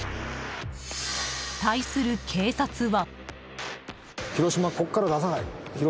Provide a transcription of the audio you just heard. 対する警察は。